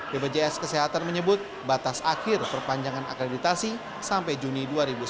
bpjs kesehatan menyebut batas akhir perpanjangan akreditasi sampai juni dua ribu sembilan belas